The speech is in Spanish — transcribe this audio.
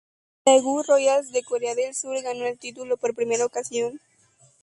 Daewoo Royals de Corea del Sur ganó el título por primera ocasión.